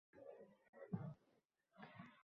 Men yarimlyuksga buyurtma berganman.